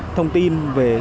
trong khi đó